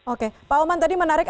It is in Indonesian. oke pak oman tadi menarik